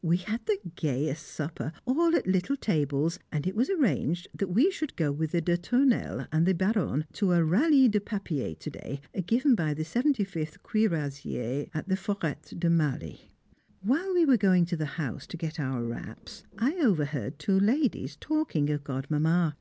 We had the gayest supper, all at little tables; and it was arranged that we should go with the de Tournelles, and the Baronne, to a Ralli de Papier to day, given by the 75th Cuirassiers at the Forêt de Marly. While we were going to the house to get our wraps, I overheard two ladies talking of Godmamma.